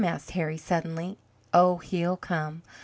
asks Harry, suddenly. "Oh, he'll come!